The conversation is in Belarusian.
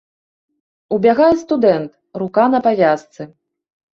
Убягае студэнт, рука на павязцы.